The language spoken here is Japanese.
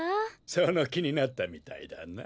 そのきになったみたいだな。